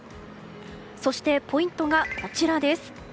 そして、ポイントがこちらです。